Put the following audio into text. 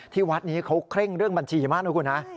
วัดนี้เขาเคร่งเรื่องบัญชีมากนะคุณฮะ